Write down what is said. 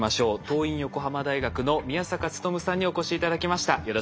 桐蔭横浜大学の宮坂力さんにお越し頂きました。